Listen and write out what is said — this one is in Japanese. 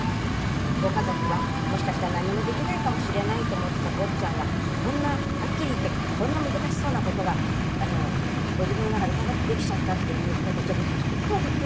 ご家族はもしかしたら何もできないかもしれないと思ってた坊ちゃんがこんなはっきり言ってこんな難しそうな事がご自分の中でパパッとできちゃったっていう事はとてもビックリ